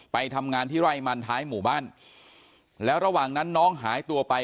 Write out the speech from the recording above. ไปทำงานที่ไร่มันท้ายหมู่บ้านแล้วระหว่างนั้นน้องหายตัวไป